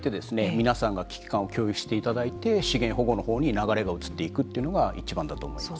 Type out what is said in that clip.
皆さんが危機感を共有していただいて資源保護の方に流れが移っていくというのが一番だと思います。